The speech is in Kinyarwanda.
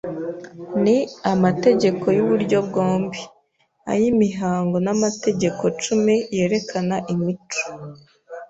Ni amategeko y’uburyo bwombi, ay’imihango n’amategeko cumi yerekana imico